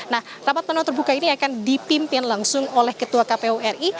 nah rapat penuh terbuka ini akan dipimpin langsung oleh ketua kpu ri